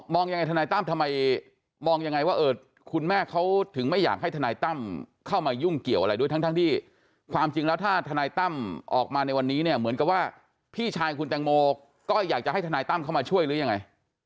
ยังไงทนายตั้มทำไมมองยังไงว่าคุณแม่เขาถึงไม่อยากให้ทนายตั้มเข้ามายุ่งเกี่ยวอะไรด้วยทั้งที่ความจริงแล้วถ้าทนายตั้มออกมาในวันนี้เนี่ยเหมือนกับว่าพี่ชายคุณแตงโมก็อยากจะให้ทนายตั้มเข้ามาช่วยหรือยังไง